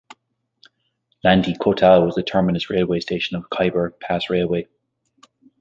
Landi Kotal was the terminus railway station of Khyber Pass Railway.